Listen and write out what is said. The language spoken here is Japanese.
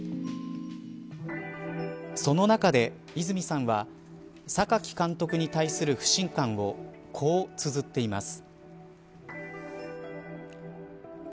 その中で、和さんは榊監督に対する不信感をこうつづっています。